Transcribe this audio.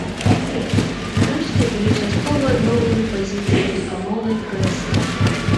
Нарэшце, былі часткова адноўлены пазіцыі рускамоўнай прэсы.